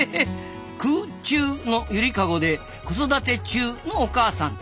「空チュウのゆりかご」で子育てチュウのお母さん。